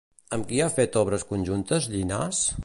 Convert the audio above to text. Amb qui ha fet obres conjuntes Llinàs?